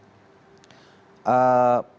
pada saat kasus papa tengah itu